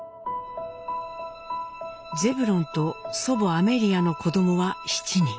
ゼブロンと祖母アメリアの子どもは７人。